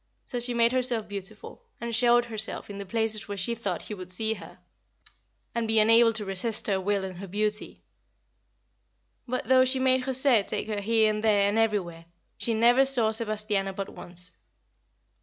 So she made herself beautiful, and showed herself in the places where she thought he would see her and be unable to resist her will and her beauty; but though she made José take her here and there and everywhere, she never saw Sebastiano but once.